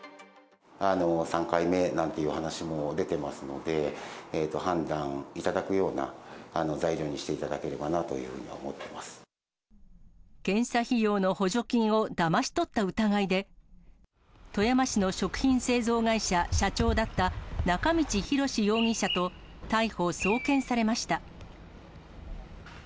３回目なんていうお話も出てますので、判断いただくような材料にしていただければなというふうに思って検査費用の補助金をだまし取った疑いで、富山市の食品製造会社社長だった、中道博志容疑者と逮捕・送検されました。